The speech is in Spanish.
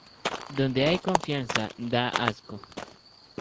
Donde hay confianza, da asco